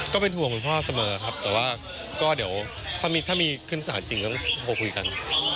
ก็เป็นห่วงคุณพ่อเสมอครับแต่ว่าก็เดี๋ยวถ้ามีขึ้นสารจริงต้องโทรคุยกัน